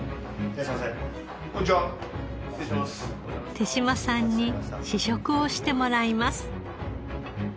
手島さんに試食をしてもらいます。